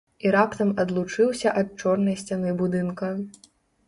І раптам адлучыўся ад чорнай сцяны будынка.